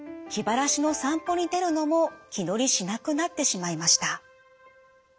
気晴らしの散歩に出るのも気乗りしなくなってしまいました。